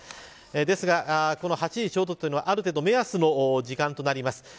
ですが、この８時ちょうどというのはある程度目安の時間となります。